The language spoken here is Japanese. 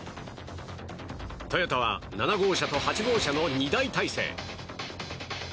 トヨタは７号車と８号車の２台体制。